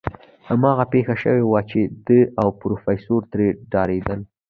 هماغه پېښه شوې وه چې دی او پروفيسر ترې ډارېدل.